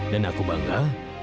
dan aku bangga